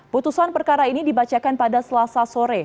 putusan perkara ini dibacakan pada selasa sore